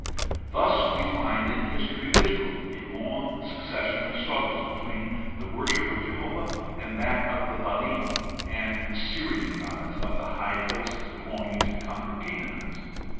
Thus we find, in the history of Israel, a long succession of struggles between the worship of Jehovah and that of the Baalim and the Syrian gods of the high places belonging to the conquered Canaanites.